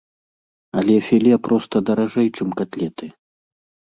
Але філе проста даражэй, чым катлеты.